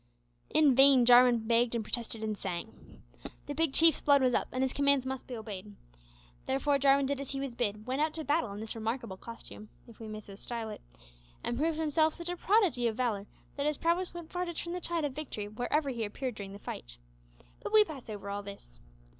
In vain Jarwin begged and protested and sang. The Big Chief's blood was up, and his commands must be obeyed, therefore Jarwin did as he was bid; went out to battle in this remarkable costume if we may so style it and proved himself such a prodigy of valour that his prowess went far to turn the tide of victory wherever he appeared during the fight. But we pass over all this.